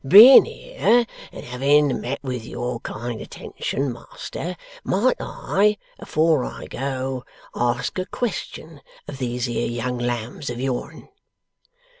Being here and having met with your kind attention, Master, might I, afore I go, ask a question of these here young lambs of yourn?